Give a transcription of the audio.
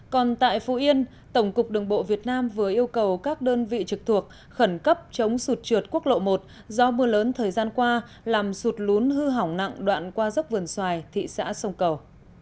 còn tại phú yên tổng cục đường bộ việt nam vừa yêu cầu các đơn vị trực thuộc khẩn cấp chống sụt trượt quốc lộ một do mưa lớn thời gian qua làm sụt lún hư hỏng nặng đoạn qua dốc vườn xoài thị xã sông cầu